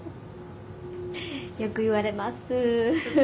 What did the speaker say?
よく言われます。